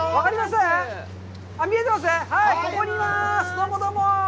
どうも、どうも。